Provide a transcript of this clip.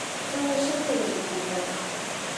成為社會的一部分